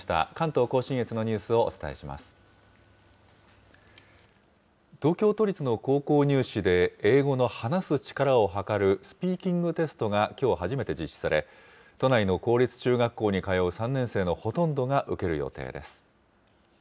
東京都立の高校入試で、英語の話す力をはかるスピーキングテストがきょう初めて実施され、都内の公立中学校に通う３年生のほとんどが受ける予定です。